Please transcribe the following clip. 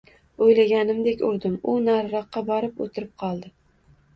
Oʻylaganimdek urdim u nariroqga borib oʻtirib qoldi.